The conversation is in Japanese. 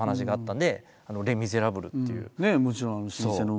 もちろん老舗の。